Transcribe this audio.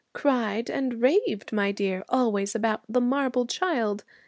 Cried and raved, my dear, always about the marble child.